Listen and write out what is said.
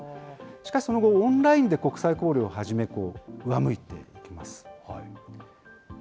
しかしその後、オンラインで国際交流を始め、上向いていきます。